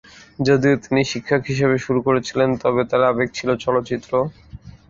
যদিও তিনি শিক্ষক হিসাবে শুরু করেছিলেন, তবে তার আবেগ ছিল চলচ্চিত্র।